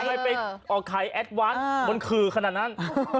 ทำไมไปออกไข่แอดวานส์บนคือขนาดนั้น